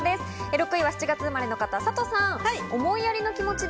６位は７月生まれの方、サトさん。